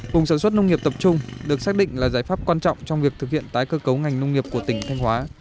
vùng sản xuất nông nghiệp tập trung được xác định là giải pháp quan trọng trong việc thực hiện tái cơ cấu ngành nông nghiệp của tỉnh thanh hóa